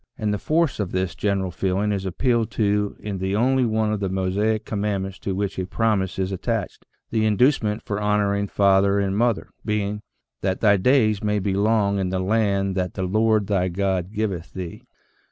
And the force of this general feeling is appealed to in the only one of the Mosaic commandments to which a promise is attached, the inducement for honor ing father and mother being " that thy days may be long in the land that the Lord thy God giveth thee."